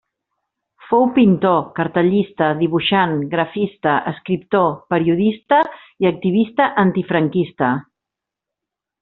Fou pintor, cartellista, dibuixant, grafista, escriptor, periodista i activista antifranquista.